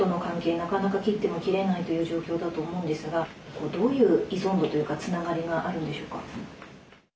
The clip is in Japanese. なかなか切っても切れないという状況だと思うんですがどういう依存度というかつながりがあるんでしょうか？